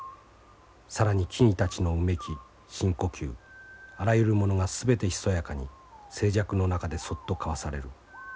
更に木々たちのうめき深呼吸あらゆるものが全てひそやかに静寂の中でそっと交わされる。